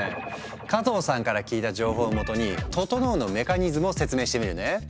加藤さんから聞いた情報をもとに「ととのう」のメカニズムを説明してみるね。